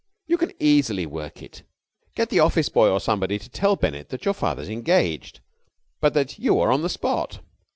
You can easily work it. Get the office boy or somebody to tell Bennett that your father's engaged, but that you are on the spot.